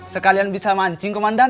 sekalian bisa mancing komandan